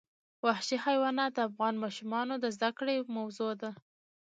وحشي حیوانات د افغان ماشومانو د زده کړې موضوع ده.